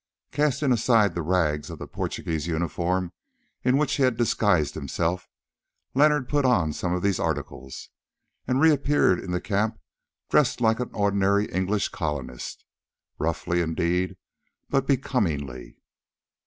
Casting aside the rags of the Portuguese uniform in which he had disguised himself, Leonard put on some of these articles and reappeared in the camp dressed like an ordinary English colonist, roughly indeed, but becomingly.